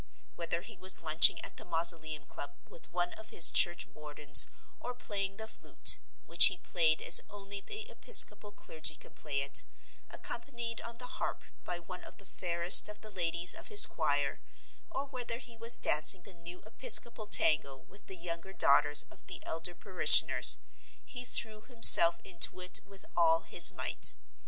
Whether he was lunching at the Mausoleum Club with one of his church wardens, or playing the flute which he played as only the episcopal clergy can play it accompanied on the harp by one of the fairest of the ladies of his choir, or whether he was dancing the new episcopal tango with the younger daughters of the elder parishioners, he threw himself into it with all his might.